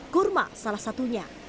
kurma salah satunya